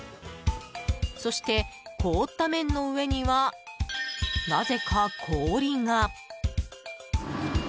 そして凍った麺の上にはなぜか氷が。